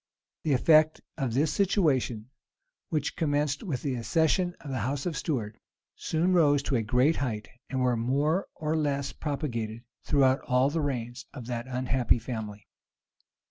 The effects of this situation, which commenced with the accession of the house of Stuart, soon rose to a great height, and were more of less propagated throughout all the reigns of that unhappy family.